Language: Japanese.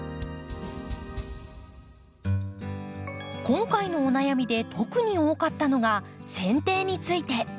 今回のお悩みで特に多かったのがせん定について。